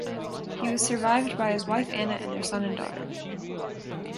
He was survived by his wife Anna and their son and daughter.